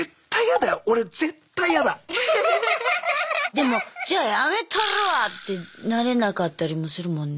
でも「じゃあやめたるわ！」ってなれなかったりもするもんね。